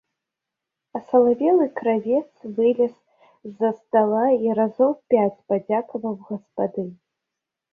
Асалавелы кравец вылез з-за стала і разоў пяць падзякаваў гаспадыні.